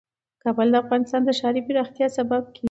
کابل د افغانستان د ښاري پراختیا سبب کېږي.